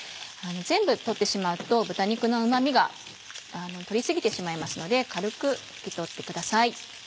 全部取ってしまうと豚肉のうま味を取り過ぎてしまいますので軽く拭き取ってください。